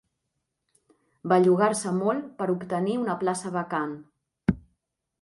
Bellugar-se molt per obtenir una plaça vacant.